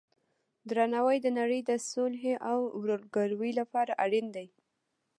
درناوی د نړۍ د صلحې او ورورګلوۍ لپاره اړین دی.